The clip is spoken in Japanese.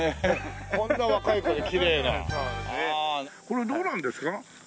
これどうなんですか？